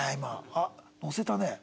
あっ乗せたね。